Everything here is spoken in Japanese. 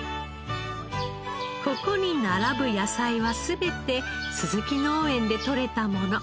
ここに並ぶ野菜は全て鈴木農園でとれたもの。